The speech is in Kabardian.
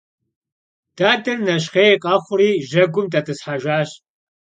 Dader neşxhêy khexhuaue jegum det'ıshejjaş.